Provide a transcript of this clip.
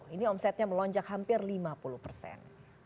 ini omsetnya melonjak hampir lima puluh persen